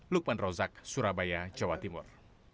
lukman rozak surabaya jawa timur